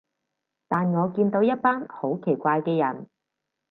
但我見到一班好奇怪嘅人